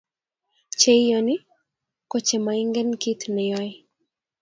Cheiyoni kochemoingen kit neyoe